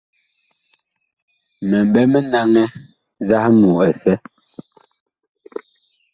Mi mɓɛ mi naŋɛ nzahmu ɛsɛ.